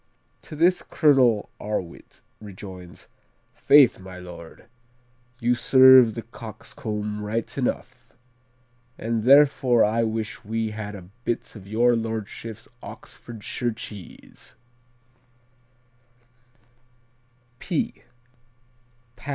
"To this Colonel Arwit rejoins: 'Faith, my lord, you served the coxcomb right enough; and therefore I wish we had a bit of your lordship's Oxfordshire cheese.'"